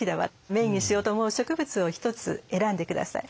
メインにしようと思う植物を１つ選んでください。